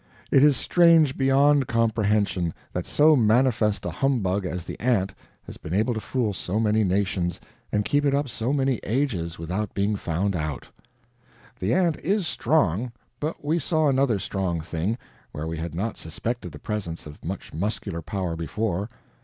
It is strange, beyond comprehension, that so manifest a humbug as the ant has been able to fool so many nations and keep it up so many ages without being found out. The ant is strong, but we saw another strong thing, where we had not suspected the presence of much muscular power before.